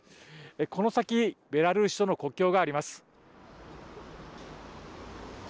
この先ベラルーシとの国境があります。